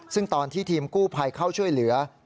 ซึ่งตอนที่ทีมกู้ภัยเข้าช่วยเหลือ